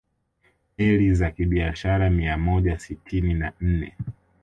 Meli za kibiashara mia moja sitini na nne